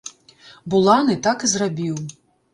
Буланы так і зрабіў.